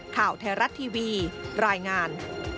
ข่าวไทยรัฐทีวีรายงาน